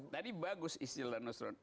tadi bagus istilah nusrun